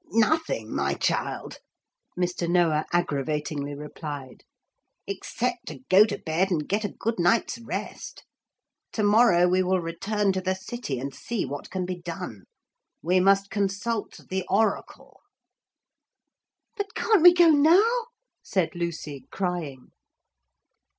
'Nothing, my child,' Mr. Noah aggravatingly replied, 'except to go to bed and get a good night's rest. To morrow we will return to the city and see what can be done. We must consult the oracle.' 'But can't we go now,' said Lucy, crying.